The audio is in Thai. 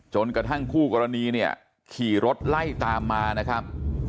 จนกระทั่งคู่กรณีเนี่ยขี่รถไล่ตามมานะครับ